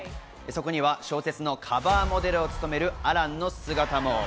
そこには小説のカバーモデルを務めるアランの姿も。